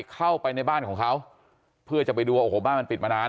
เข้าไปในบ้านของเขาเพื่อจะไปดูว่าโอ้โหบ้านมันปิดมานาน